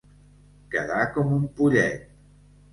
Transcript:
Quedar com un pollet.